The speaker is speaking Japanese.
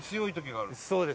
そうですね。